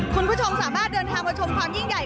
คุณผู้ชมสามารถเดินทางมาชมความยิ่งใหญ่